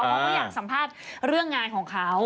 เขาก็อยากสัมภาษณ์เรื่องงานของเขา